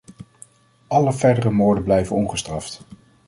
Alle verdere moorden blijven ongestraft".